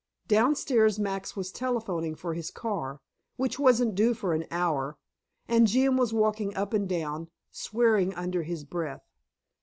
Downstairs Max was telephoning for his car, which wasn't due for an hour, and Jim was walking up and down, swearing under his breath.